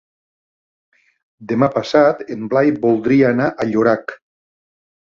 Demà passat en Blai voldria anar a Llorac.